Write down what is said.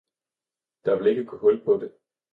der vil ikke gå hul på det!